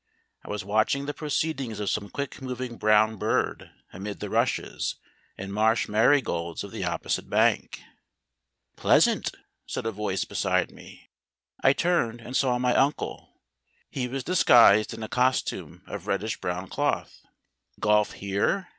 I was watching the proceedings of some quick moving brown bird amid the rushes and marsh marigolds of the opposite bank. "Pleasant," said a voice beside me. I turned, and saw my uncle. He was disguised in a costume of reddish brown cloth. "Golf here?"